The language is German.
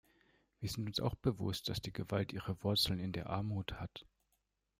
Wir sind uns auch bewusst, dass die Gewalt ihre Wurzeln in der Armut hat.